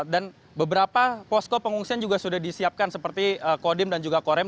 dan beberapa posko pengungsian juga sudah disiapkan seperti kodim dan juga korem